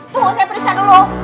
tuh saya periksa dulu